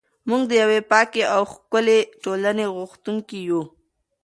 موږ د یوې پاکې او ښکلې ټولنې غوښتونکي یو.